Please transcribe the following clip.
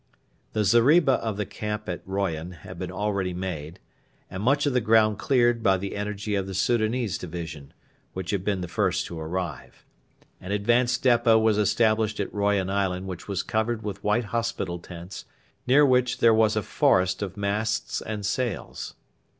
The zeriba of the camp at Royan had been already made and much of the ground cleared by the energy of the Soudanese division, which had been the first to arrive. An advanced depot was established at Royan island which was covered with white hospital tents, near which there was a forest of masts and sails.